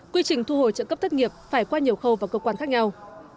quy trình thu hồi trợ cấp thất nghiệp phải qua nhiều khâu vào cơ quan khác nhau